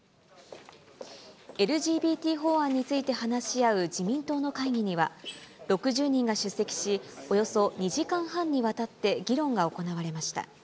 ＬＧＢＴ法案について話し合う自民党の会議には、６０人が出席し、およそ２時間半にわたって議論が行われました。